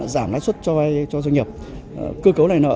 giảm lái suất cho doanh nghiệp cơ cấu lại nợ